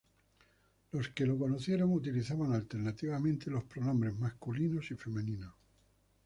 Los que lo conocieron utilizaban alternativamente los pronombres masculinos y femeninos.